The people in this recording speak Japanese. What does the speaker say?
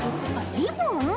リボン？